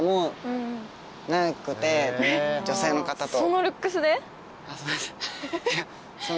女性の方と。